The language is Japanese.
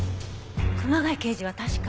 熊谷刑事は確か。